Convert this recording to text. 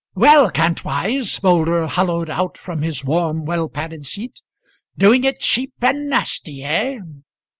"Well, Kantwise," Moulder holloaed out from his warm, well padded seat, "doing it cheap and nasty, eh?"